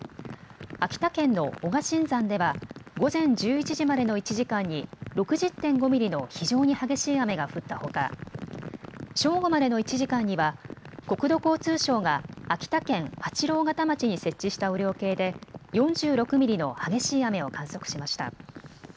秋田県の男鹿真山では、午前１１時までの１時間に６０．５ミリの非常に激しい雨が降ったほか、正午までの１時間には、国土交通省が秋田県八郎潟町に設置した雨量計で４６ミリの激しい雨を観測しました。